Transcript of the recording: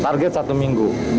target satu minggu